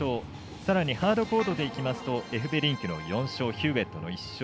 さらにハードコートでいうとエフベリンクの４勝ヒューウェットの１勝。